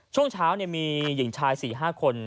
ช่วงเช้ามีหญิงชาย๔๕คน